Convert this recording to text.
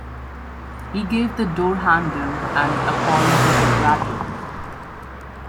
He gave the door handle an apologetic rattle.